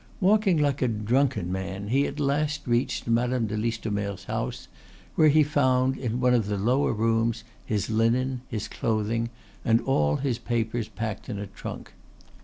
Walking like a drunken man he at last reached Madame de Listomere's house, where he found in one of the lower rooms his linen, his clothing, and all his papers packed in a trunk.